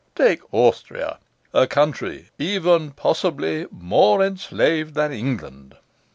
Take Austria, a country even possibly more enslaved than England.